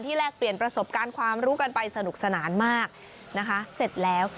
แลกเปลี่ยนประสบการณ์ความรู้กันไปสนุกสนานมากนะคะเสร็จแล้ว